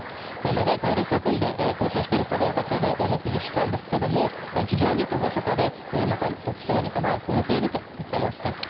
長い隊列を組んで行進しているさまを先ほど目撃したんですが非常に厳かでまさに国葬に花を添えているといった様子です。